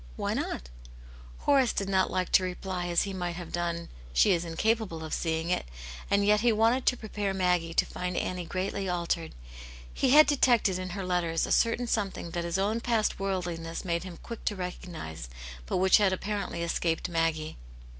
" Why not ?" Horace did not like to reply, as he might have done, " She is incapable of seeing it," and yet he wanted to prepare Maggie to find Annie greatly altered. He had detected in her letters a certain something that his own past worldliness made him quick to recognize, but which had apparently escaped Maggie.